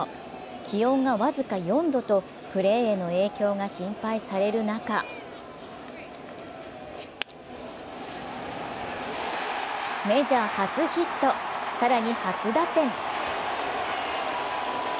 気温が僅か４度と、プレーへの影響が心配される中、メジャー初ヒット、更に初打点。